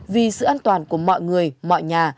vì sự an toàn của mọi người mọi nhà